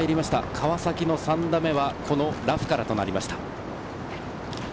川崎の３打目はラフからとなりました。